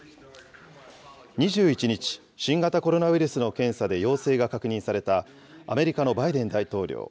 ２１日、新型コロナウイルスの検査で陽性が確認されたアメリカのバイデン大統領。